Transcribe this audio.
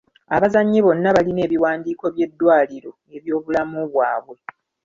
Abazannyi bonna balina ebiwandiiko by'eddwaliro eby'obulamu bwabwe.